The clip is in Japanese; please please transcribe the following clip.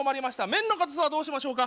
麺のかたさはどうしましょうか？